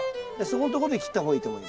そこんとこで切った方がいいと思います。